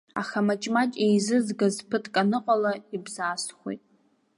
Аха маҷ-маҷ еизызгаз, ԥыҭк аныҟала, ибзаасхәеит.